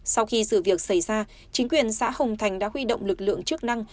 sau khi sự việc xảy ra chính quyền xã hồng thành đã huy động lực lượng chức năng